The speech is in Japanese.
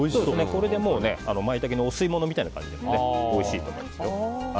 これでマイタケのお吸い物みたいな感じでおいしいと思います。